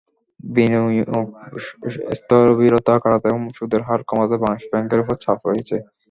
বিনিয়োগ স্থবিরতা কাটাতে এবং সুদের হার কমাতে বাংলাদেশ ব্যাংকের ওপরে চাপ রয়েছে।